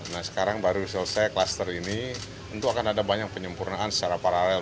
nah sekarang baru selesai kluster ini tentu akan ada banyak penyempurnaan secara paralel